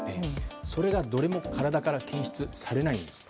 それが、どれも体から検出されないんです。